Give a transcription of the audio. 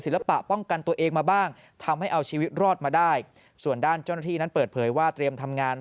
ส่วนด้านด้านเจ้าหน้าที่นั้นเปิดเผยว่าเตรียมทำงาน